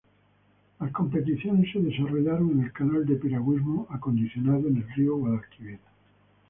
Las competiciones se desarrollaron en el canal de piragüismo acondicionado en el río Guadalquivir.